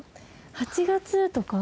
８月とか？